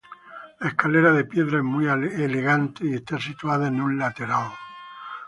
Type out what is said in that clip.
La escalera de piedra es muy elegante y está situada en un lateral.